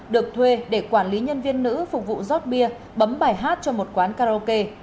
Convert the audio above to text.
được thuê để quản lý nhân viên nữ phục vụ giót bia bấm bài hát cho một quán karaoke